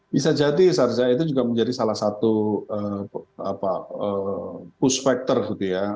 bisa jadi sarja itu juga menjadi salah satu push factor gitu ya